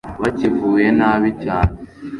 bakivuye nabi cyane